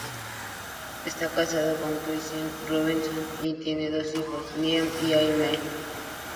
Está casado con Christine Robinson y tiene dos hijos, Liam y Aimee.